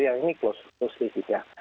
yang ini closed list ya